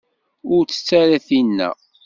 Ur tett ara tinna.